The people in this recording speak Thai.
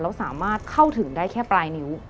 แล้วสามารถเข้าถึงได้แค่ปลายนิ้ว